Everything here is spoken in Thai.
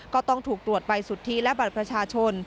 ก็ต้องถูกตรวจใบสุทธิและบัตรประชาชน